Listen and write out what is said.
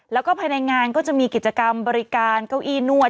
แล้วก็ภายในงานก็จะมีกิจกรรมบริการเก้าอี้นวด